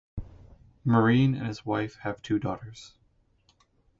Marine and his wife have two daughters.